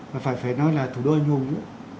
và phải phải nói là thủ đô anh hùng nữa